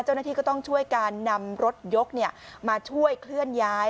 เจ้าหน้าที่ก็ต้องช่วยการนำรถยกมาช่วยเคลื่อนย้าย